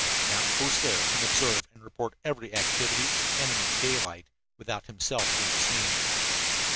An outpost there can observe and report every activity of the enemy in daylight, without himself being seen."